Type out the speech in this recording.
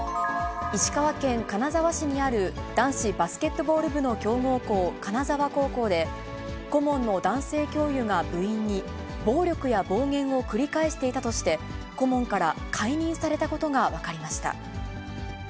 石川県金沢市にある男子バスケットボール部の強豪校、金沢高校で、顧問の男性教諭が部員に、暴力や暴言を繰り返していたとして、顧問から解任されたことが分かりました。